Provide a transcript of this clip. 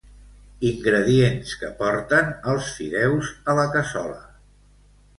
Ingredients que porten els fideus a la cassola.